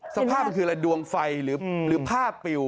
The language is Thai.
สภาพมันคืออะไรดวงไฟหรือผ้าปิว